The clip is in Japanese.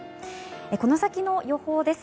この先の予報です。